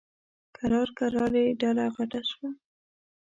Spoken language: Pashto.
کرار کرار یې ډله غټه شوه.